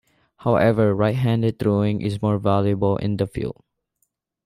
However, right-handed throwing is more valuable in the field.